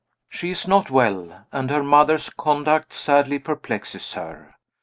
She is not well; and her mother's conduct sadly perplexes her.